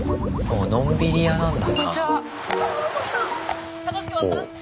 のんびり屋なんだな。